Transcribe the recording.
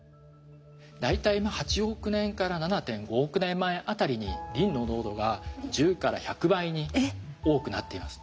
大体８億年から７．５億年前辺りにリンの濃度が１０から１００倍に多くなっています。